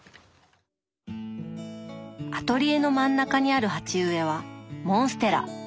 アトリエの真ん中にある鉢植えはモンステラ！